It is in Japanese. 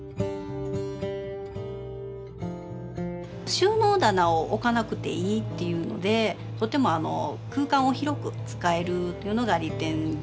収納棚を置かなくていいっていうのでとても空間を広く使えるというのが利点ですかね。